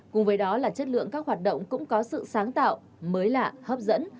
cùng với đó là chất lượng các hoạt động cũng có sự sáng tạo mới lạ hấp dẫn